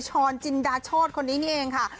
ช้อนจินดาโชธคนนี้นี่เองค่ะ